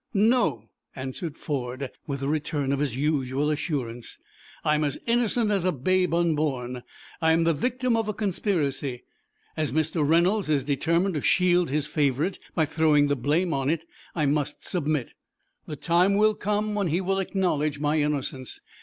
"No," answered Ford, with a return of his usual assurance. "I am as innocent as a babe unborn. I am the victim of a conspiracy. As Mr. Reynolds is determined to shield his favorite by throwing the blame on it, I must submit. The time will come when he will acknowledge my innocence.